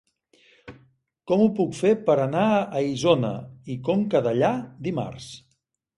Com ho puc fer per anar a Isona i Conca Dellà dimarts?